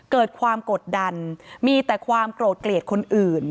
เกิดความกดดันมีแต่ความโกรธเกลียดคนอื่น